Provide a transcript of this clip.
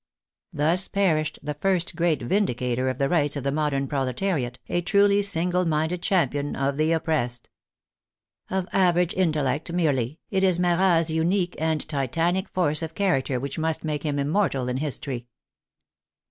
Thus perished the first great vindicator of the rights of the modern proletariat, a truly single minded champion of the oppressed. Of average intellect merely, it is Marat's unique and titanic force of character which must make him immortal in history.